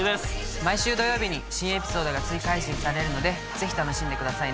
毎週土曜日に新エピソードが追加配信されるのでぜひ楽しんでくださいね。